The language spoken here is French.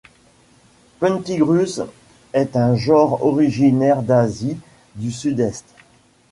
Puntigrus est un genre originaire d'Asie du Sud-Est.